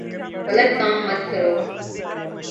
غلط کام مت کرو ـ